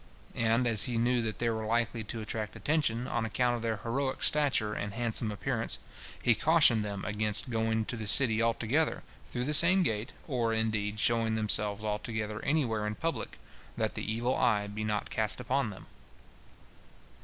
And as he knew that they were likely to attract attention, on account of their heroic stature and handsome appearance, he cautioned them against going to the city all together through the same gate, or, indeed, showing themselves all together anywhere in public, that the evil eye be not cast upon them.